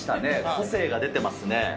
個性が出てますね。